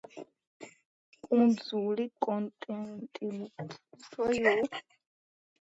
კუნძული კონტინენტურ ნაწილთან დამბის საშუალებითაა დაკავშირებული.